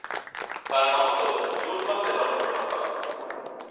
তার মামাতো বোন জুন মাসে জন্মগ্রহণ করে।